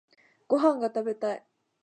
ご飯が食べたい。